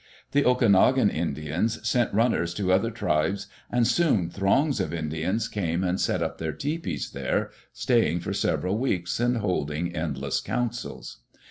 The Okanogan Indians sent runners to other tribes and soon throngs of Indians came and set up their tepees there, staying for several weeks and holding endless councils.